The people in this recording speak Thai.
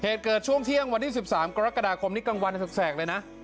เหตุเกิดช่วงเที่ยงวันที่๑๓กรกฎาคมนี้กลางวันแสกเลยนะ